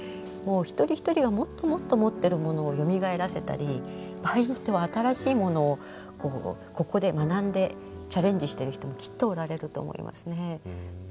一人一人がもっともっと持ってるものをよみがえらせたり場合によっては新しいものをここで学んでチャレンジしてる人もきっとおられると思いますね。